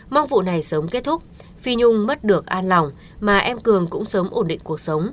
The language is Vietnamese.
mong vụ này sớm kết thúc phi nhung mất được an lòng mà em cường cũng sớm ổn định cuộc sống